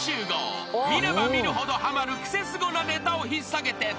［見れば見るほどはまるクセスゴなネタを引っ提げて登場だ］